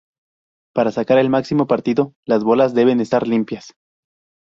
Para sacar el máximo partido, las bolas deben estar limpias.